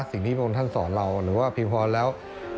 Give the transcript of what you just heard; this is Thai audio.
สิ่งที่พระองค์ท่านสอนเราหรือว่าเพียงพอแล้ว